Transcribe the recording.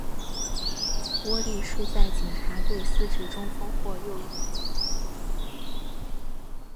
窝利士在警察队司职中锋或右翼。